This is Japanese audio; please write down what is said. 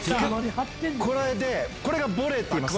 これで、これがボレーといいます。